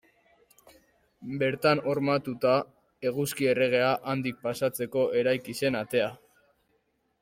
Bertan hormatuta, Eguzki Erregea handik pasatzeko eraiki zen atea.